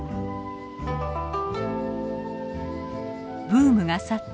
ブームが去った